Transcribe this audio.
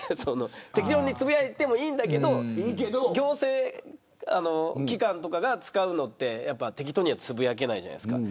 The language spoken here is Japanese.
適当につぶやいてもいいけど行政機関とかが使うのは適当にはつぶやけないじゃないですか。